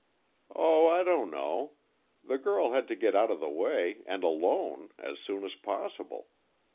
"Oh, I don't know. The girl had to get out of the way, and alone, as soon as possible.